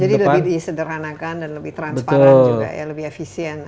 jadi lebih disederhanakan dan lebih transparan juga ya lebih efisien